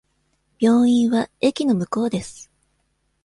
病院は駅の向こうです。